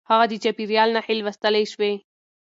هغه د چاپېريال نښې لوستلای شوې.